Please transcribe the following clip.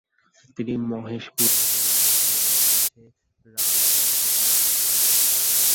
তিনি মহেশপুরের হরিদাস বৈরাগীর কাছে রাগসঙ্গীতে পারদর্শী হয়ে উঠেন।